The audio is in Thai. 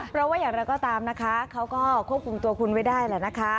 เพราะว่าอย่างไรก็ตามนะคะเขาก็ควบคุมตัวคุณไว้ได้แหละนะคะ